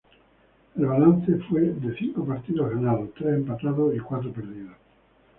El balance fue de cinco partidos ganados, tres empatados, y cuatro perdidos.